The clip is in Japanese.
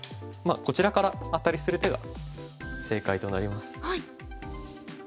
こちらからアタリする手が正解となります。